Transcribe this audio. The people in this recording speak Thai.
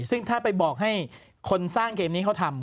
ซึ่งถ้าไปบอกให้คนสร้างเกมนี้เขาทำ